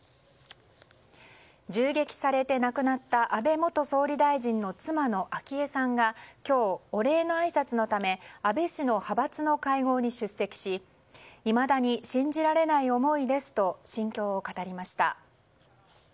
銃撃されて亡くなった安倍元総理大臣の妻の昭恵さんが今日、お礼のあいさつのため安倍氏の派閥の会合に出席しいまだに信じられない思いですと心境を語りました。